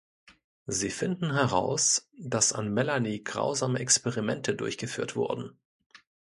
Sie finden heraus, dass an Melanie grausame Experimente durchgeführt wurden.